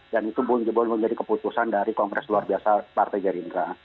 dan itu belum jadi keputusan dari kongres luar biasa partai gerindra